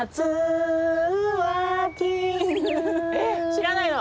知らないの？